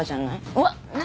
うわっな！